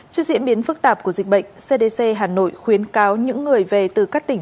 trước diễn biến phức tạp của dịch bệnh cdc hà nội khuyến cáo những người về từ các tỉnh